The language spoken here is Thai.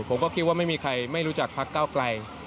ผมก็คิดว่าไม่มีใครไม่รู้จักพักเก้าไกล